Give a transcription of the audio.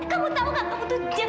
kamu tau gak kamu tuh jahat